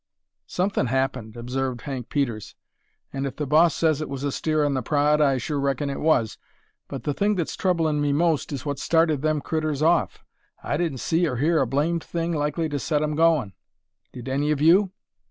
"Somethin' happened," observed Hank Peters, "and if the boss says it was a steer on the prod, I sure reckon it was. But the thing that's troublin' me most is what started them critters off. I didn't see or hear a blamed thing likely to set 'em goin'. Did any of you?"